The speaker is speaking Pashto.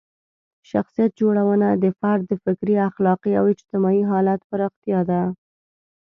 شخصیت جوړونه د فرد د فکري، اخلاقي او اجتماعي حالت پراختیا ده.